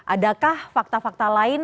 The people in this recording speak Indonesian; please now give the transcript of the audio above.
adakah fakta fakta lainnya